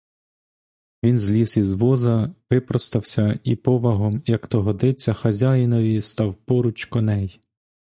Він зліз із воза, випростався і повагом, як то годиться хазяїнові, став поруч коней.